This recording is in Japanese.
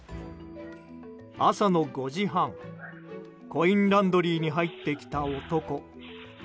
朝の５時半コインランドリーに入ってきた男。